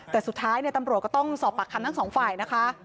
แต่สุดท้ายตำรวจก็ต้องสอบปากคำทั้งสองฝ่ายนะคะ